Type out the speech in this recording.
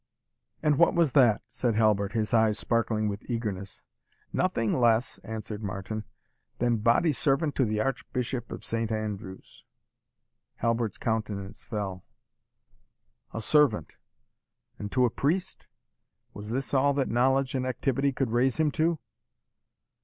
"And what was that?" said Halbert, his eyes sparkling with eagerness. "Nothing less," answered Martin, "than body servant to the Archbishop of Saint Andrews!" Halbert's countenance fell. "A servant and to a priest? Was this all that knowledge and activity could raise him to?"